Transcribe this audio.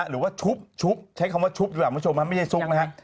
หรือว่าชุบใช้คำว่าชุบอยู่หลังวันชมไม่ใช่ซุกนะฮะ